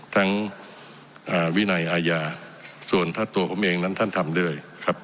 ทั้งวิแนะอาญาส่วนใต้ตัวเขาเองนะท่านทำด้วย